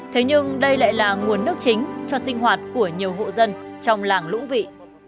thế nhưng đây lại là nguồn nước chính cho sinh hoạt của nhiều hộ dân trong làng lũng vị